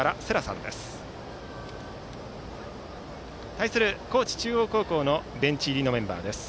対する高知中央高校のベンチ入りのメンバーです。